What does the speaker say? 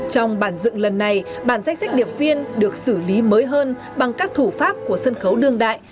trong bản dựng lần này bản danh sách điệp viên được xử lý mới hơn bằng các thủ pháp của sân khấu đương đại